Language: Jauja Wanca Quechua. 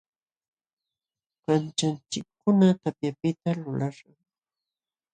Kanćhanchikkuna tapyapiqta lulaśhqam.